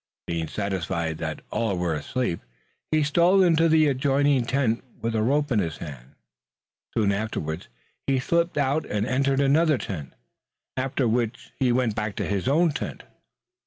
Being satisfied that all were asleep, he stole into the adjoining tent with a rope in his hand. Soon afterwards he slipped out and entered another tent, after which he went back to his own tent.